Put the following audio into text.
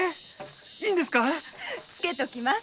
つけときます。